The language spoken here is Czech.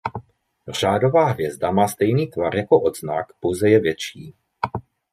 Řádová hvězda má stejný tvar jako odznak pouze je větší.